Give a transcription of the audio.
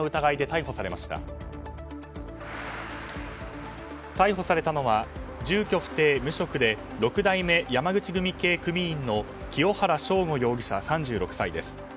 逮捕されたのは住居不定・無職で６代目山口組系組員の清原昇悟容疑者、３６歳です。